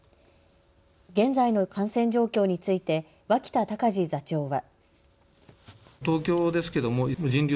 現在の感染状況について脇田隆字座長は。